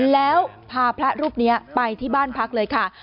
แล้วพาพระรูปนี้ไปที่บ้านพักเลยค่ะ